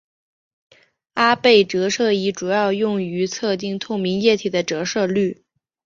阿贝折射仪主要用于测定透明液体的折射率。